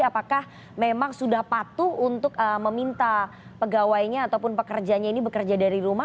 apakah memang sudah patuh untuk meminta pegawainya ataupun pekerjanya ini bekerja dari rumah